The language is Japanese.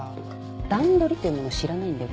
段取りっていうものを知らないんだよ